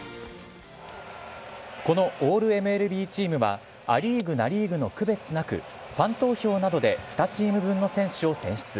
このオールＭＬＢチームは、ア・リーグ、ナ・リーグの区別なく、ファン投票などで２チーム分の選手を選出。